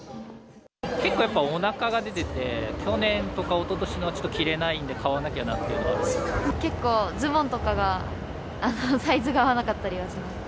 結構、やっぱりおなかが出てて、去年とかおととしのはちょっと着れないんで、買わなきゃなってい結構、ズボンとかが、サイズが合わなかったりはします。